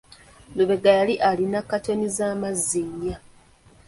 Lubega yali alina katoni z'amazzi nnya.